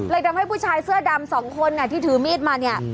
ทำให้ผู้ชายเสื้อดำสองคนที่ถือมีดมาเนี่ย